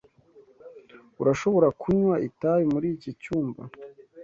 Urashobora kunywa itabi muri iki cyumba.